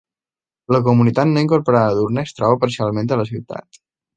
La comunitat no incorporada d'Urne es troba parcialment a la ciutat.